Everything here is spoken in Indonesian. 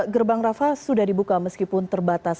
gerbang rafa sudah dibuka meskipun terbatas